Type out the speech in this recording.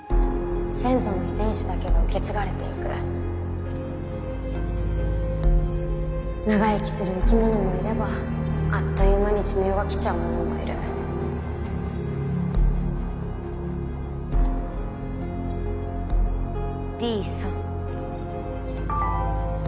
⁉先祖の遺伝子だけが受け継が長生きする生き物もいればあっという間に寿命が来ちゃうものもいるＤ３。